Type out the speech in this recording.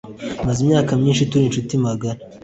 Tumaze imyaka myinshi turi inshuti magara.